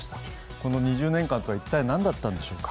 この２０年間とは一体何だったんでしょうか。